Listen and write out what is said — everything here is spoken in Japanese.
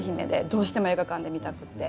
どうしても映画館で見たくて。